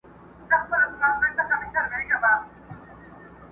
سل یې نوري ورسره وې سهیلیاني!